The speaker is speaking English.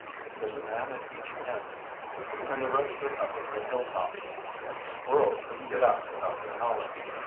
There's a man at each end and the rest are covering the hilltops. A squirrel couldn't get out without their knowledge.